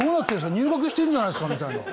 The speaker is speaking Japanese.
入学してるじゃないですかみたいな。